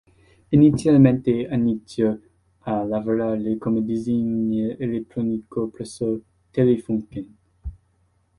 Inizialmente iniziò a lavorare come designer elettronico presso Telefunken.